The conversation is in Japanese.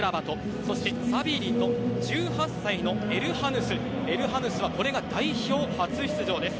そしてサビリと１８歳、エルハヌスエルハヌスはこれが代表初出場です。